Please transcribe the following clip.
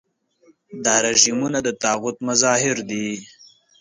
دا رژیمونه د طاغوت مظاهر دي.